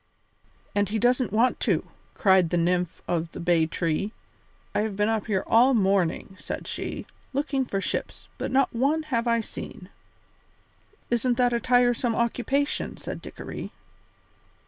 "And he doesn't want to," cried the nymph of the bay tree. "I have been up here all the morning," said she, "looking for ships, but not one have I seen." "Isn't that a tiresome occupation?" asked Dickory.